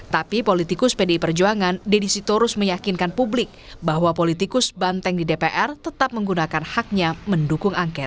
tapi politikus pdi perjuangan deddy sitorus meyakinkan publik bahwa politikus banteng di dpr tetap menggunakan haknya mendukung angket